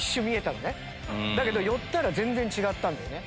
だけど寄ったら全然違ったんだよね。